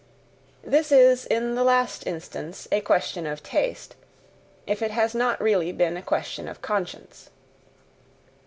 This is in the last instance a question of taste, if it has not really been a question of conscience.